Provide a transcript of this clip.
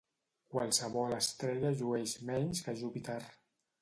Qualsevol estrella llueix menys que Júpiter.